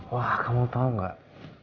wah kamu tau gak